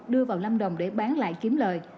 đưa vào lâm đồng để bán lại kiếm lợi